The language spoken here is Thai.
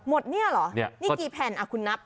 หมดเนี่ยเหรอนี่กี่แผ่นคุณนับ